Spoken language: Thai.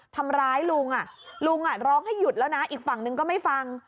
ทำร้ายลุงลุงร้องให้หยุดแล้วนะอีกฝั่งนึงก็ไม่ฟัง